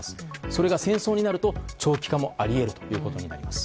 それが戦争になると、長期化もあり得るということになります。